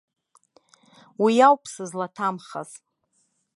Уи ауп сызлаҭамхаз.